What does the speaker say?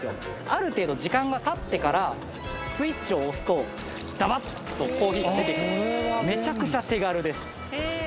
ある程度時間がたってからスイッチを押すとダバッとコーヒーが出てくるメチャクチャ手軽です